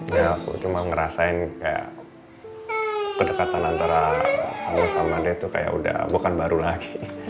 ya aku cuma ngerasain kayak kedekatan antara halo samade tuh kayak udah bukan baru lagi